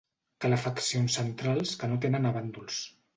Calefaccions centrals, que no atenen a bàndols.